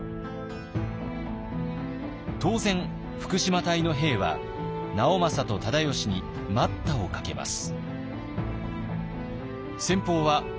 当然福島隊の兵は直政と忠吉に待ったをかけます。